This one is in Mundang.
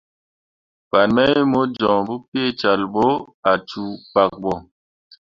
Fan mai mo joŋ pu peecal ɓo ah cuu pkak ɓo.